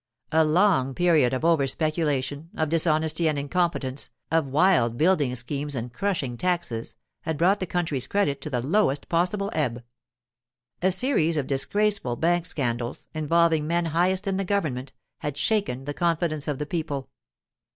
A long period of over speculation, of dishonesty and incompetence, of wild building schemes and crushing taxes, had brought the country's credit to the lowest possible ebb. A series of disgraceful bank scandals, involving men highest in the government, had shaken the confidence of the people.